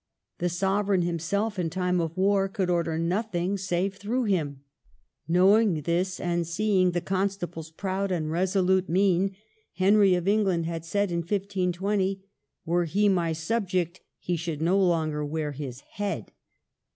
The Sovereign himself, in time of war, could order nothing save through him. Knowing this, and seeing the Constable's proud and resolute mien, Henry of England had said, in 1520, ''Were he my subject, he should no longer wear his head